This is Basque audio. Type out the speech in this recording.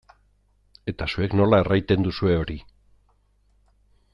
Eta zuek nola erraiten duzue hori?